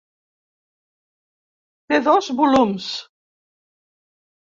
Té dos volums.